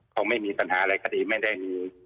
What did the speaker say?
คงไม่มีปัญหาอะไรขดี